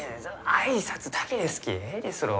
挨拶だけですきえいですろう？